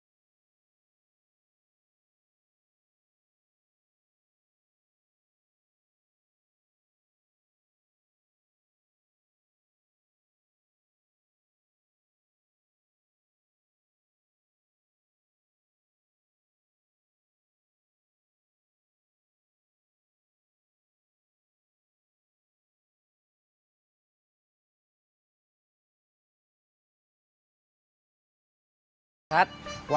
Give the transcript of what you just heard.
buat balik lagi pesantren